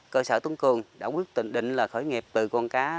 cơ sở tuấn cường đã quyết định là khởi nghiệp từ con cá